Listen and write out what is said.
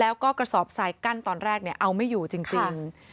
แล้วก็กระสอบทรายกั้นตอนแรกเอาไม่อยู่จริง